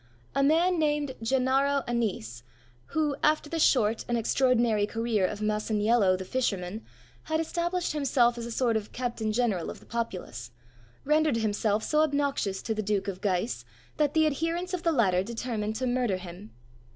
A man named Gennaro Annese, who, after the short and extraordinary career of Masaniello the fisherman, had established himself as a sort of captain general of the populace, rendered himself so obnoxious to the Duke of Guise, that the adherents of the latter determined to murder him.